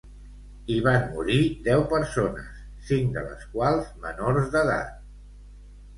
Hi van morir deu persones, cinc de les quals menors d'edat.